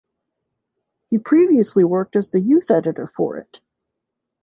He previously worked as the youth editor for it!